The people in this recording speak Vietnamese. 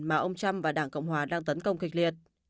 mà ông trump và đảng cộng hòa đang tấn công kịch liệt